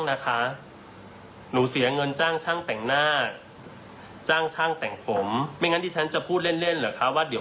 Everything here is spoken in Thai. บอกพอรู้ข่าก็นอนไม่หลับไม่สบายใจเลย